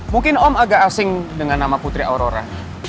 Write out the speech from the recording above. mungkin om agak asing dengan nama putri aurora